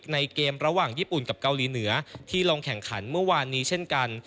ในเกมระหว่างญี่ปุ่นกับเกาหลีเหนือที่ลงแข่งขันเมื่อวานนี้เช่นกัน